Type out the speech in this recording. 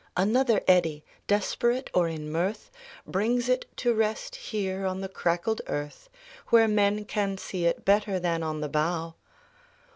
Another eddy, desperate or in mirth. Brings it to rest here on the crackled earth Where men can see it better than on the bough.